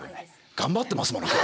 頑張ってますもの今日。